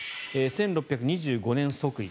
１世、１６２５年即位。